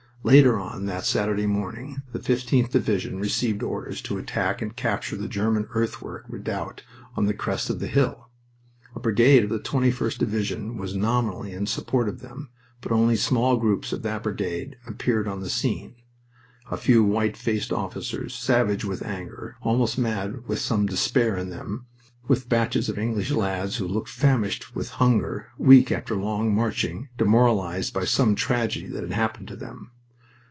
Later on that Saturday morning the 15th Division received orders to attack and capture the German earthwork redoubt on the crest of the hill. A brigade of the 21st Division was nominally in support of them, but only small groups of that brigade appeared on the scene, a few white faced officers, savage with anger, almost mad with some despair in them, with batches of English lads who looked famished with hunger, weak after long marching, demoralized by some tragedy that had happened to them.